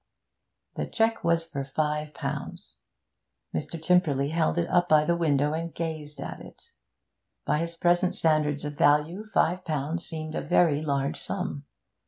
The cheque was for five pounds. Mr. Tymperley held it up by the window, and gazed at it. By his present standards of value five pounds seemed a very large sum.